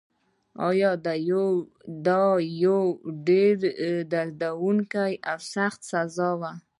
دا یوه ډېره دردونکې او سخته سزا وه.